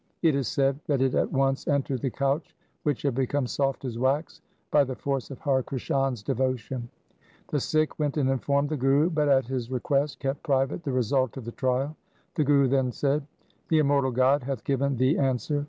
It is said that it at once entered the couch which had become soft as wax by the force of Har Krishan' s devotion. 1 The Sikh went and informed the Guru, but at his request kept private the result of the trial. The Guru then said, ' The immortal God hath given thee answer.